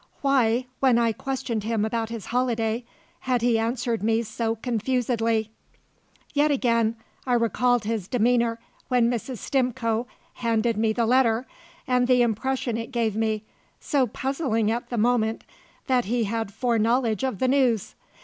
Why, when I questioned him about his holiday, had he answered me so confusedly? Yet again, I recalled his demeanour when Mrs. Stimcoe handed me the letter, and the impression it gave me so puzzling at the moment that he had foreknowledge of the news.